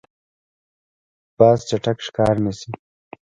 باز چټک ښکار نیسي.